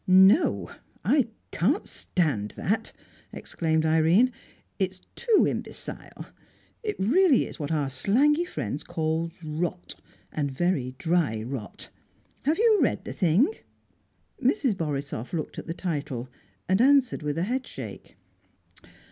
"No, I can't stand that!" exclaimed Irene. "It's too imbecile. It really is what our slangy friend calls 'rot,' and very dry rot. Have you read the thing?" Mrs. Borisoff looked at the title, and answered with a headshake.